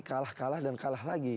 kalah kalah dan kalah lagi